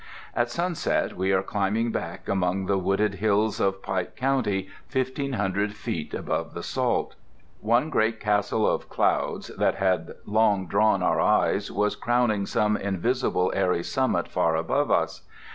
At sunset we were climbing back among the wooded hills of Pike County, fifteen hundred feet above the salt. One great castle of clouds that had long drawn our eyes was crowning some invisible airy summit far above us.